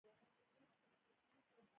د پرازیتونو لپاره د کدو تخم وخورئ